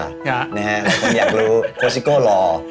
คนอยากรู้โค้ซิโก้รอ